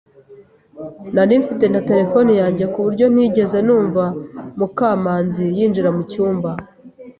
Nari mfite na terefone yanjye kuburyo ntigeze numva Mukamanzi yinjira mucyumba.